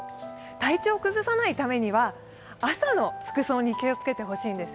体調を崩さないためには麻の服装に気をつけていただきたいんです。